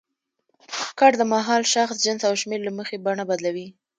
کړ د مهال، شخص، جنس او شمېر له مخې بڼه بدلوي.